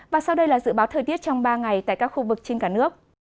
và sau đây là dự báo thời tiết trong ba ngày tại các khu vực trên cả nước